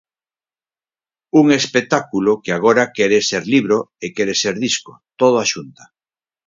Un espectáculo que agora quere ser libro e quere ser disco, todo á xunta.